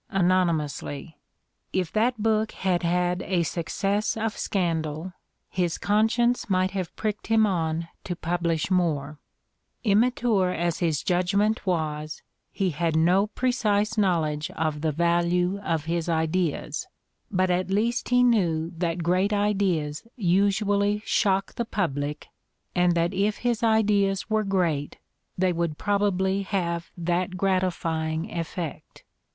anonymously. If that book had had a success of scandal, his conscience might have pricked him on to publish more : immature as his judgment was, he had no precise knowledge of the value of his ideas; but at least he knew that great ideas usually shock the public and that if his ideas were great they would prob ably have that gratifying effect.